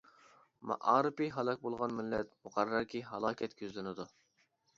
مائارىپى ھالاك بولغان مىللەت مۇقەررەركى ھالاكەتكە يۈزلىنىدۇ.